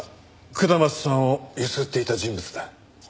下松さんを強請っていた人物だ。